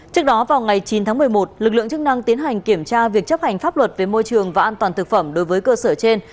trước đó vào ngày chín tháng một mươi một lực lượng chức năng tiến hành kiểm tra việc chấp hành pháp luật về môi trường và an toàn thực phẩm đối với cơ sở trên